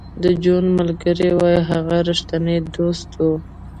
د جون ملګري وایی هغه رښتینی دوست و